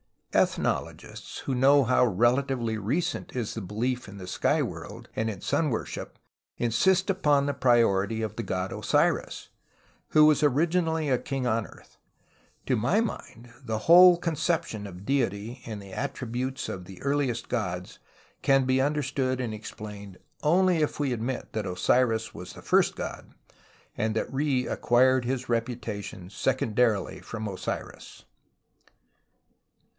Ethnologists who know how relatively recent is the belief in a sky M'orld and in sun worship insist upon the priority of the god Osiris, who was originally a king on earth. To my mind the whole conception of deity and the attri butes of the earliest gods can be understood and explained only if we admit that Osiris was the first god and that Re acquired his reputation secondarily from Osiris.